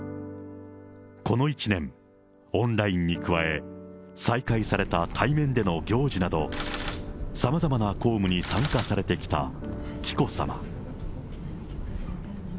この一年、オンラインに加え、再開された対面での行事など、さまざまな公務に参加されてきた紀子さま。